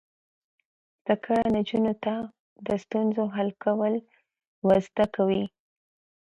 زده کړه نجونو ته د ستونزو حل کول ور زده کوي.